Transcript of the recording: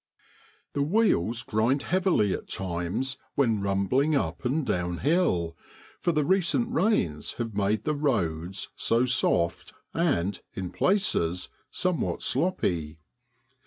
The wheels grind heavily at times when rumbling up and down hill, for the recent rains have made the roads so soft and, in places, somewhat sloppy.